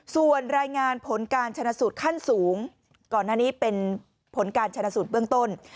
ส่วนรายงานผลการชนะสูตรขั้นสูงก่อนหน้านี้เป็นผลการชนะสูตรเบื้องต้น